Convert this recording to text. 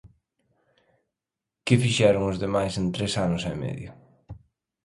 Que fixeron os demais en tres anos e medio?